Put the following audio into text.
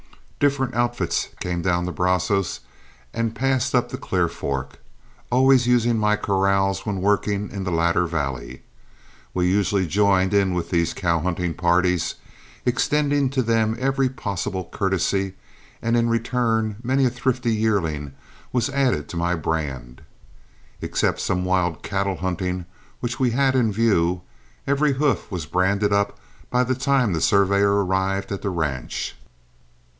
Different outfits came down the Brazos and passed up the Clear Fork, always using my corrals when working in the latter valley. We usually joined in with these cow hunting parties, extending to them every possible courtesy, and in return many a thrifty yearling was added to my brand. Except some wild cattle hunting which we had in view, every hoof was branded up by the time the surveyor arrived at the ranch.